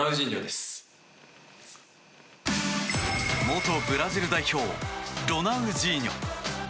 元ブラジル代表ロナウジーニョ。